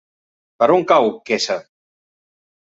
Per on cau Quesa?